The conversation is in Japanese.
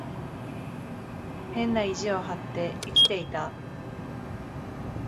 変な意地を張って生きていた。